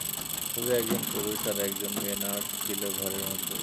শুধু একজন পুরুষ আর একজন মেয়ে নার্স ছিল ঘরের মধ্যে।